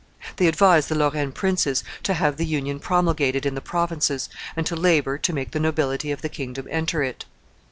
They advised the Lorraine princes to have the Union promulgated in the provinces, and to labor to make the nobility of the kingdom enter it.